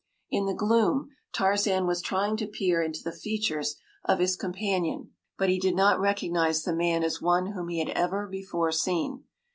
In the gloom Tarzan was trying to peer into the features of his companion, but he did not recognize the man as one whom he had ever before seen.